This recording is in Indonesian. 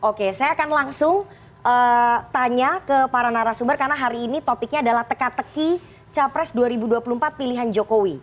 oke saya akan langsung tanya ke para narasumber karena hari ini topiknya adalah teka teki capres dua ribu dua puluh empat pilihan jokowi